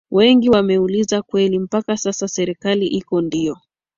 wengi wameuliza kweli mpaka sasa serikali iko ndiyo